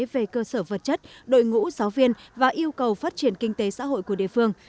về cơ sở vật chất đội ngũ giáo viên và yêu cầu phát triển kinh tế xã hội của địa phương